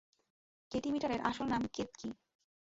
Katie মিটারের আসল নাম কেতকী।